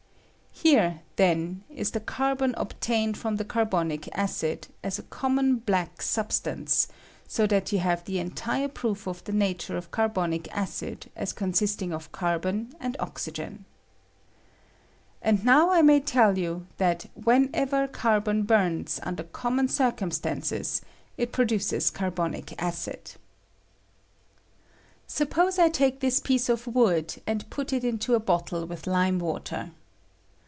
Here, then, ia the carbon obtained from the carbonic acid, as a common black substance ; so that you have the I I CARBON IN WOOD AND COAL GAS. 163 entire proof of the nature of carbonic acid as consisting of 'carbon and oxygen. And now I may tell you, that whenever carbon burns under common circumstances it produces car tonic acid. Suppose I take this piece of wood, and put it into a bottle with lime water.